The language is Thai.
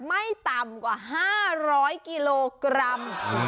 ไม่ต่ำกว่า๕๐๐กิโลกรัม